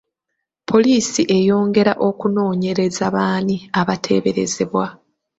Poliisi eyongera okunonyereza b'ani abateeberezebwa.